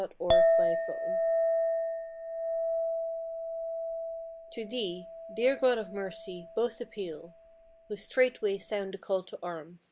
AT THE CLOSE TO Thee, dear God of Mercy, both appeal, Who straightway sound the call to arms.